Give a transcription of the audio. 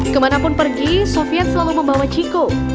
kemana pun pergi sofian selalu membawa chico